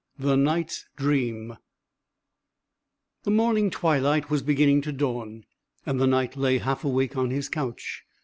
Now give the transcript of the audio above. THE KNIGHT'S DREAM The morning twilight was beginning to dawn, and the Knight lay half awake on his couch.